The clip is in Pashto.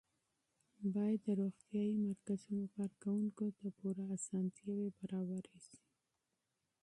باید د روغتیایي مرکزونو کارکوونکو ته پوره اسانتیاوې برابرې شي.